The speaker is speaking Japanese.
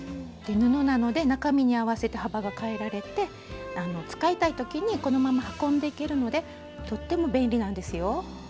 布なので中身に合わせて幅が変えられて使いたい時にこのまま運んでいけるのでとっても便利なんですよ。